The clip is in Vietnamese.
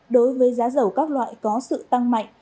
đối với giá dầu các loại có sự tăng mạnh